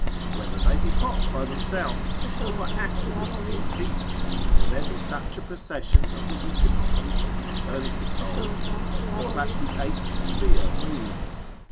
Whether they be hot by themselves, or by accident cause heat? Whether there be such a precession of the equinoxes as Copernicus holds, or that the eighth sphere move?